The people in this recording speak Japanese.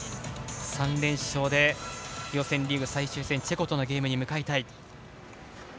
３連勝で、予選リーグ最終戦チェコとのゲームに向かいたい。